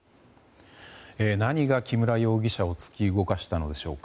何が木村容疑者を突き動かしたのでしょうか。